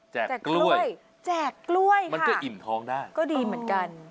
แจกกล้วยแจกกล้วยมันจะอิ่มท้องได้ก็ดีเหมือนกัน